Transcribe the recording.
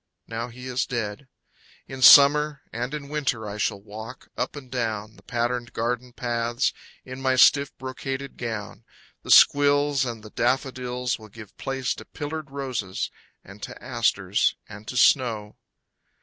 Now he is dead. In Summer and in Winter I shall walk Up and down The patterned garden paths In my stiff, brocaded gown. The squills and the daffodils Will give place to pillared roses, and to asters, and to snow.